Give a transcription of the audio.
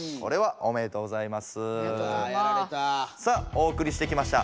ありがとうございます。